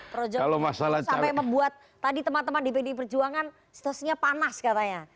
projo sampai membuat tadi teman teman di pdi perjuangan situasinya panas katanya